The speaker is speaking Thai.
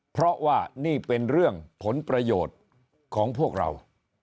เพราะว่านี่เป็นเรื่องผลประโยชน์ของพวกเรา